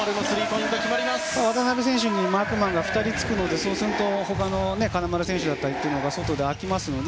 渡邊選手にマークマンが２人つくのでそうすると他の金丸選手だったりとかが外で空きますので。